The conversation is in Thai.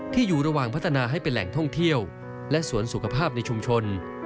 อยู่ระหว่างพัฒนาให้เป็นแหล่งท่องเที่ยวและสวนสุขภาพในชุมชน